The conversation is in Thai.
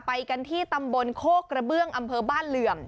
ไปกันที่ตำบลโคกกระเบื้องอำเภอบ้านเหลื่อม